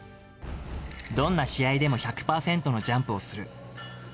どんな試合でも１００％のジャンプをする。